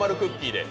で。